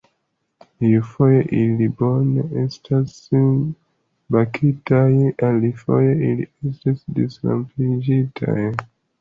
Iufoje ili bone estas bakitaj, alifoje ili estas disrompiĝintaj.